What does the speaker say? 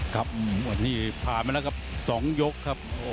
ครับวันนี้ผ่านมาแล้วครับ๒ยกครับ